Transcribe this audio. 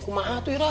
kumaaf tuh ira